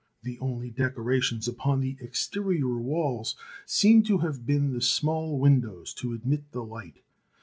The only decorations upon the exterior walls seem to have been the small windows to admit the light.